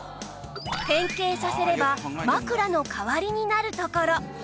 変形させれば枕の代わりになるところ